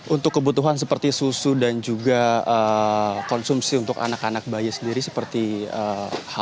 untuk kebutuhan seperti susu dan juga konsumsi untuk anak anak bayi sendiri seperti hal